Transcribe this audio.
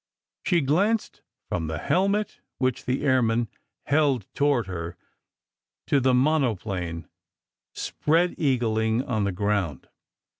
She glanced from the helmet which the airman held toward her to the monoplane spread eagling on the ground.